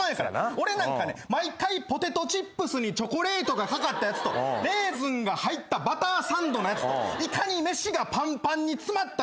俺なんかね毎回ポテトチップスにチョコレートが掛かったやつとレーズンが入ったバターサンドのやつとイカに飯がパンパンに詰まったやつを買ってしまうんや。